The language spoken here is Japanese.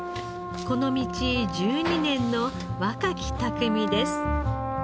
この道１２年の若き匠です。